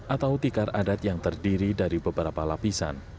atau tikar adat yang terdiri dari beberapa lapisan